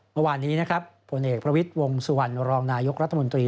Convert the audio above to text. เมื่อวานนี้นะครับผลเอกประวิทย์วงสุวรรณรองนายกรัฐมนตรี